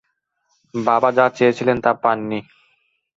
বাবা যা চেয়েছিলেন তা পাননি।